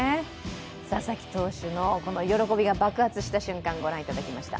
佐々木投手の喜びが爆発した瞬間、ご覧いただきました。